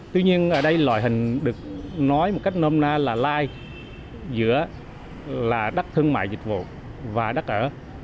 loại hình được nói một cách nôm na là lai giữa là đắc thương mại dịch vụ và đắc ở